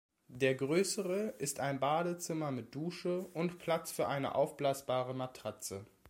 Der größere ist ein Badezimmer mit Dusche und Platz für eine aufblasbare Matratze.